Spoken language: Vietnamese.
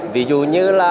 ví dụ như là